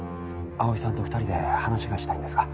碧さんと２人で話がしたいんですが。